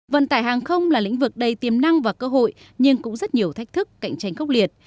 vận tải hàng không là lĩnh vực đầy tiềm năng và cơ hội nhưng cũng rất nhiều thách thức cạnh tranh khốc liệt